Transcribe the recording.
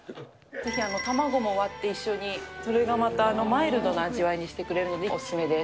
ぜひ卵も割って一緒に、それがまたマイルドな味わいにしてくれるのでお勧めです。